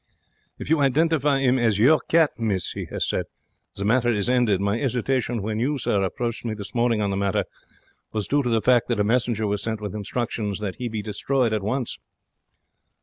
'If you identify 'im as your cat, miss,' he has said, 'the matter is ended. My 'esitation when you, sir, approached me this morning on the matter was due to the fact that a messenger was sent with instructions that he be destroyed at once.'